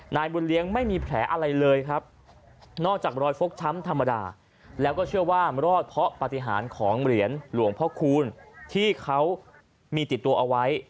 บุญเลี้ยงไม่มีแผลอะไรเลยครับนอกจากรอยฟกช้ำธรรมดาแล้วก็เชื่อว่ารอดเพราะปฏิหารของเหรียญหลวงพ่อคูณที่เขามีติดตัวเอาไว้